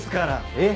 えっ。